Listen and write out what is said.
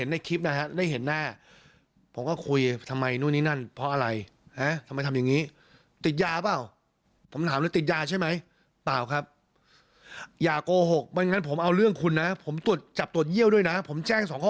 แบบนี้เราก็เลยรู้สึกว่าผมอยากจะเอาตัวเองไปสอนเด็ก